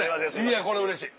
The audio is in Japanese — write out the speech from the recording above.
いやこれうれしい。